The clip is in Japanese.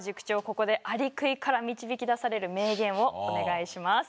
ここでアリクイから導き出される名言をお願いします。